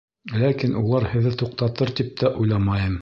Ләкин улар һеҙҙе туҡтатыр тип тә уйламайым.